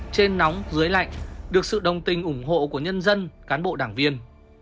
trên nóng dưới lạnh được sự đồng tình ủng hộ của nhân dân cán bộ đảng viên